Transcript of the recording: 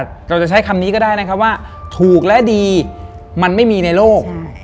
เราจะใช้คำนี้ก็ได้นะครับว่าถูกและดีมันไม่มีในโลก